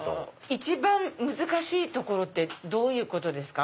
一番難しいところってどういうことですか？